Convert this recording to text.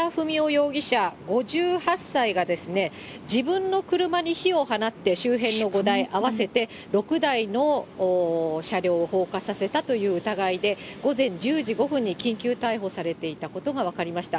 容疑者５８歳がですね、自分の車に火を放って周辺の５台、合わせて６台の車両を放火させたという疑いで、午前１０時５分に緊急逮捕されていたことが分かりました。